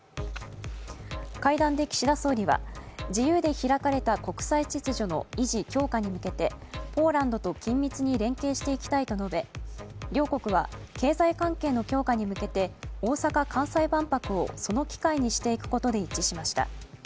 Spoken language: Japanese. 会談で岸田総理は自由で開かれた国際秩序の維持、強化に向けてポーランドと緊密に連携していきたいと述べ両国は経済関係の強化に向けて大阪・関西万博をその機会にしていくことで一致しました。